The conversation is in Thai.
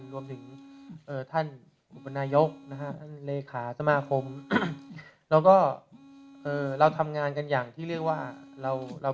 รวมถึงท่านอุปนายกนะฮะท่านเลขาสมาคมแล้วก็เราทำงานกันอย่างที่เรียกว่าเราเรา